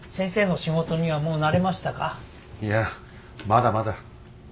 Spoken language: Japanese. いやまだまだ。